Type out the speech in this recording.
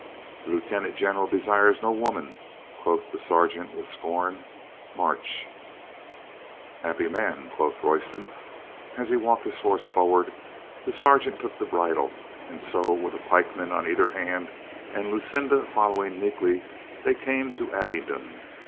"The lieutenant general desires no women," quoth the sergeant with scorn. "March !" "Happy man !" quoth Royston. As he walked his horse forward the sergeant took the bridle and so with a pikeman on either hand and Lucinda fol lowing meekly, they came to Abingdon.